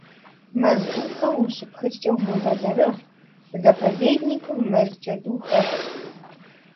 Мэз Ӏувхэм ущыпхыкӀкӀэ умыбэлэрыгъ, заповедникым мэз джэду хэсщ.